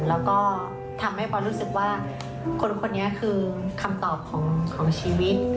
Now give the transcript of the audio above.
แล้วก็ทำให้ปอนรู้สึกว่าคนนี้คือคำตอบของชีวิต